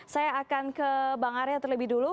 saya akan ke bang arya terlebih dulu